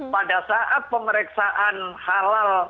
pada saat pemeriksaan halal